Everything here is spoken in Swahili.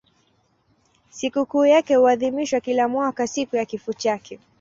Sikukuu yake huadhimishwa kila mwaka siku ya kifo chake.